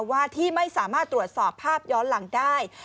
ว่าที่ไม่สามารถตรวจสอบภาพย้อนหลังได้